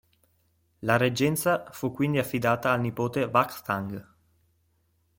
La reggenza fu quindi affidata al nipote Vakhtang.